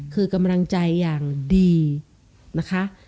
คือกำลังใจอย่างดีนะคะ